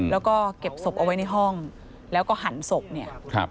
แล้วก็เก็บศพเอาไว้ในห้องแล้วก็หันศพเนี่ยครับ